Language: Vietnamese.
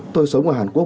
tôi sống ở hàn quốc